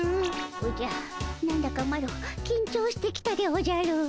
おじゃ何だかマロきんちょうしてきたでおじゃる。